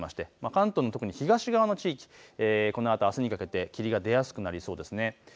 関東の東側の地域、このあとあすにかけて霧が出やすくなりそうです。